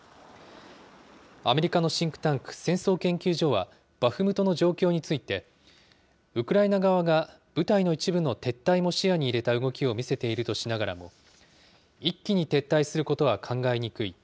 アメリカのシンクタンク、戦争研究所は、バフムトの状況について、ウクライナ側が部隊の一部の撤退も視野に入れた動きを見せているとしながらも、一気に撤退することは考えにくい。